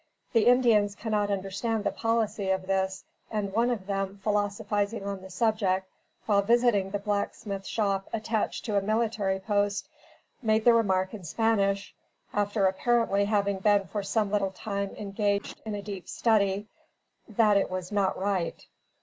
The Indians cannot understand the policy of this, and one of them philosophizing on the subject, while visiting the blacksmith's shop attached to a military post, made the remark in Spanish, after apparently having been for some little time engaged in a deep study, "that it was not right."